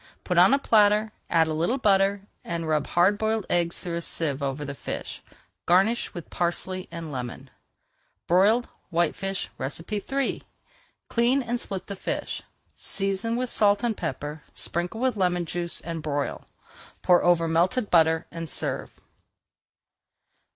Put on a platter, add a little butter, and rub hard boiled eggs through a sieve over the fish. Garnish with parsley and lemon. BROILED WHITEFISH III Clean and split the fish, season with salt and pepper, sprinkle with lemon juice, and broil. Pour over melted butter and serve.